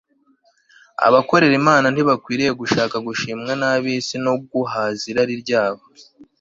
abakorera imana ntibakwiriye gushaka gushimwa n'ab'isi no guhaza irari ryabo